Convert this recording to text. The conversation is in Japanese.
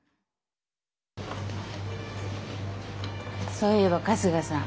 そういえば春日さん